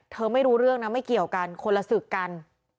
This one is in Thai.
ไม่รู้เรื่องนะไม่เกี่ยวกันคนละศึกกัน